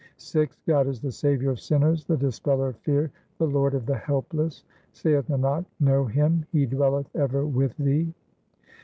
yj God is the Saviour of sinners, the Dispeller of fear, the Lord of the helpless ; Saith Nanak, know Him, He dwelleth ever with thee.